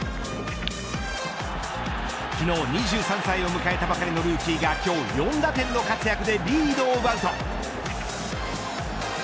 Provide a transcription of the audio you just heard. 昨日２３歳を迎えたばかりのルーキーが今日４打点の活躍でリードを奪うと。